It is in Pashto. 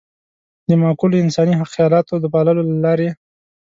د معقولو انساني خيالاتو د پاللو له لارې.